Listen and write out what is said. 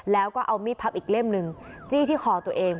แล้วก็เอามีดพับอีกเล่มหนึ่งจี้ที่คอตัวเอง